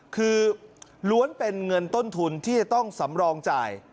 คือล้วนเป็นเงินต้นทุนที่จะต้องสำรองจ่าย